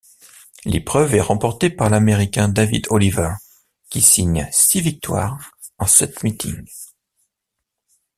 L'épreuve est remportée par l'Américain David Oliver qui signe six victoires en sept meetings.